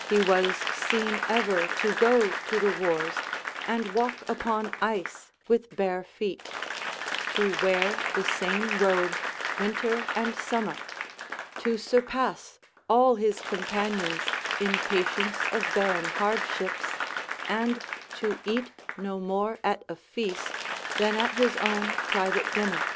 He was seen ever to go to the wars, and walk upon ice, with bare feet; to wear the same robe, winter and summer; to surpass all his companions in patience of bearing hardships, and to eat no more at a feast than at his own private dinner.